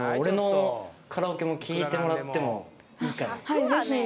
はい。